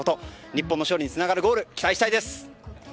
日本の勝利につながるゴールを期待したいです。